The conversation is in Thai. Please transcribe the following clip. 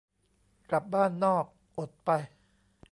กลับบ้านนอก อดไป